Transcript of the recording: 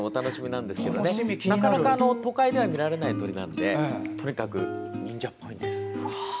なかなか都会では見られない鳥なのでとにかく忍者っぽいんです。